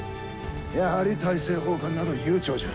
やはり大政奉還など悠長じゃ。